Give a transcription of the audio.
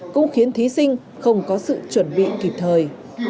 cũng khiến thí sinh không có sự chuẩn bị kịp thời